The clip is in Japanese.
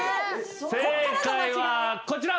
正解はこちら。